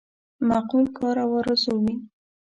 معقول کار او آرزو وي.